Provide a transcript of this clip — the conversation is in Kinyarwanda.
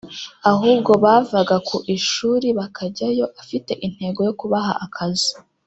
Ahubwo bavaga ku ishuri bakajyayo afite intego yo kubaha akazi